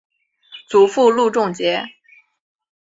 祖父路仲节。